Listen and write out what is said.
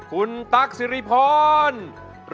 รูปสุดงามสมสังคมเครื่องใครแต่หน้าเสียดายใจทดสกัน